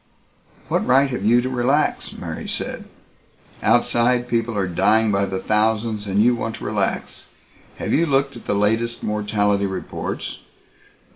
"What right have you to relax," Mary said. "Outside, people are dying by the thousands and you want to relax. Have you looked at the latest mortality reports?"